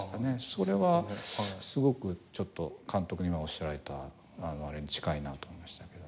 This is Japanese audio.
それはすごく監督が今、おっしゃられたものに近いなと思いました。